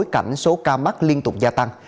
cảnh số ca mắc liên tục gia tăng